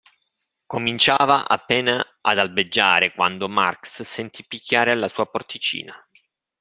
Cominciava appena ad albeggiare quando Marx sentì picchiare alla sua porticina.